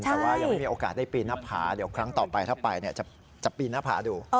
แต่ว่ายังไม่มีโอกาสได้ปีนหน้าผาเดี๋ยวครั้งต่อไปถ้าไปจะปีนหน้าผาดู